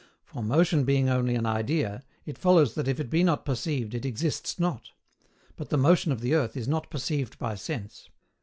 For, motion being only an idea, it follows that if it be not perceived it exists not; but the motion of the earth is not perceived by sense.